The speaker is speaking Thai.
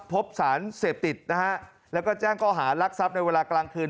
พบสารเสพติดนะฮะแล้วก็แจ้งข้อหารักทรัพย์ในเวลากลางคืน